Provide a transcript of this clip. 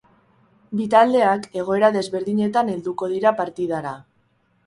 Bi taldeak egoera desberdinetan helduko dira partidara.